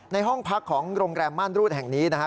ห้องพักของโรงแรมม่านรูดแห่งนี้นะฮะ